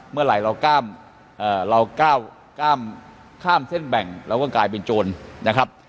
เมื่อไหร่เรากล้ามเราก้าวข้ามเส้นแบ่งเราก็กลายเป็นโจรนะครับ